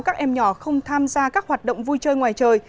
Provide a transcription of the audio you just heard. các em nhỏ không tham gia các hoạt động vui chơi ngoài trời